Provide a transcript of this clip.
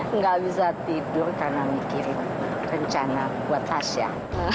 enggak bisa tidur karena mikir rencana buat tasya